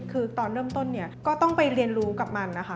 คือตอนเริ่มต้นเนี่ยก็ต้องไปเรียนรู้กับมันนะคะ